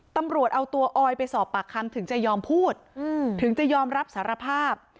ตำรวจเอาตัวออยไปสอบปากคำถึงจะยอมพูดถึงจะยอมรับสารภาพ